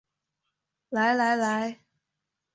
来来来